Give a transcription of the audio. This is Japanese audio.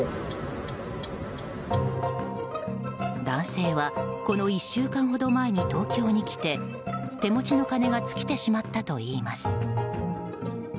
男性はこの１週間ほど前に東京に来て手持ちの金が尽きてしまったといいます。